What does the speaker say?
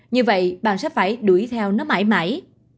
như vậy bạn sẽ phải đuổi theo nó mãi mãi